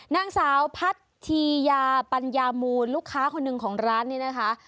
นางสาวพัทธียาปัญญามูลลูกค้าคนหนึ่งของร้านนี้นะคะ